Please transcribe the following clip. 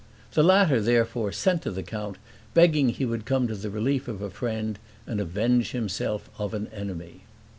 The latter, therefore, sent to the count, begging he would come to the relief of a friend, and avenge himself of an enemy.